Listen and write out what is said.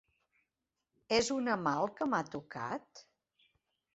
És una mà el que m'ha tocat?